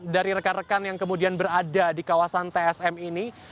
dari rekan rekan yang kemudian berada di kawasan tsm ini